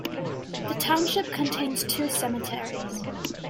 The township contains two cemeteries.